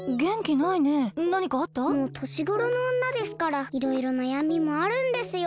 もうとしごろのおんなですからいろいろなやみもあるんですよ。